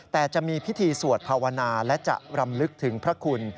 แต่จะมีพิธีสวดภาวนาและจะรำลึกถึงพระคุณ